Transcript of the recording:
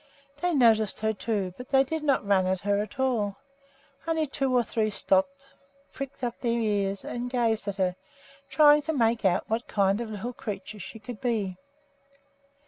They noticed her, too, but they did not run at her at all. Only two or three stopped, pricked up their ears, and gazed at her, trying to make out what kind of little creature she could be.